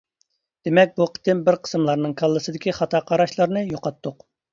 دېمەك بۇ قېتىم بىر قىسىملارنىڭ كاللىسىدىكى خاتا قاراشلارنى يوقاتتۇق.